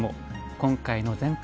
今回の「全国